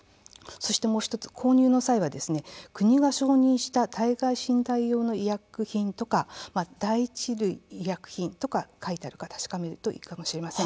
そしてもう１つ、購入の際は国が承認した体外診断用の医薬品とか第１類医薬品とか書いてあるか確かめるといいかもれません。